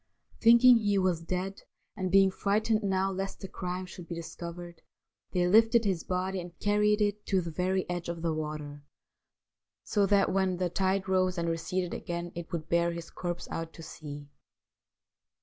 Thinking he was dead, and being frightened now lest the crime should be discovered, they lifted his body and carried it to the very edge of the water, so that when the tide rose and receded again it would bear his corpse out to sea.